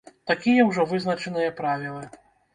Такія ўжо вызначаныя правілы.